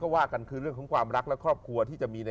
แล้วก็รู้สึกว่าผู้ชายเจ้าชู้เขามีเสน่ห์